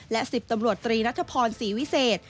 และ๑๐ตำรวจตรีนัทพรศรีวิเศษ